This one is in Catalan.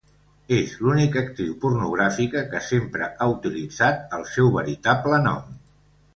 És l'única actriu pornogràfica que sempre ha utilitzat el seu veritable nom.